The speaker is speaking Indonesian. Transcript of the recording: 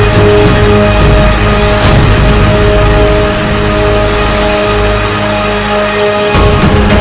fat pomoc daya dayanya